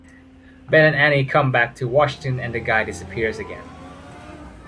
Ben and Anni come back to Washington and the guy disappears again.